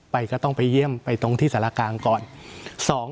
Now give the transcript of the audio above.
ก็ต้องไปเยี่ยมไปตรงที่สารกลางก่อน